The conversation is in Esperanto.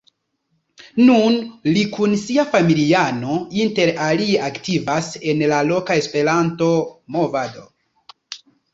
Nun li kun sia familiano inter alie aktivas en la loka Esperanto-movado.